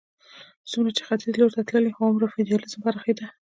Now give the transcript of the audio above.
څومره چې ختیځ لور ته تللې هغومره فیوډالېزم پراخېده.